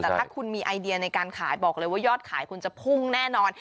แต่ถ้าคุณมีไอเดียในการขายบอกเลยว่ายอดขายคุณจะพุ่งแน่นอน